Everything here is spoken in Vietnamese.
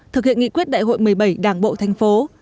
thực hiện nghị quyết đại hội một mươi bảy đảng bộ thành phố